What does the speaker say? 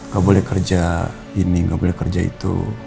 gak boleh kerja ini nggak boleh kerja itu